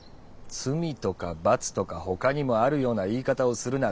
罪とか罰とか他にもあるような言い方をするな。